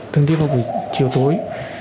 thường đi vào buổi chiều tối